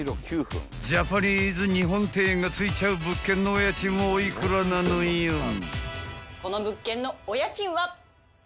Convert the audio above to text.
［ジャパニーズ日本庭園が付いちゃう物件のお家賃はお幾らなのよん？］